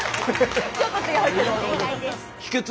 ちょっと違うけど。